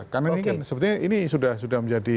sudah karena ini sudah menjadi